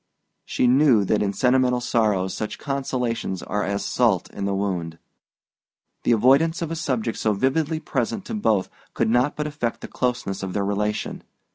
She knew that in sentimental sorrows such consolations are as salt in the wound. The avoidance of a subject so vividly present to both could not but affect the closeness of their relation.